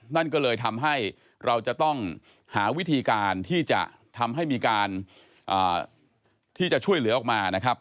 นั่นก็เลยทำให้เราจะต้องหาวิธีการที่จะทำให้มีการที่จะช่วยเหลือออกมานะครับ